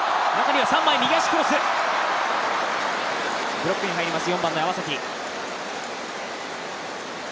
ブロックに入ります、４番の山崎。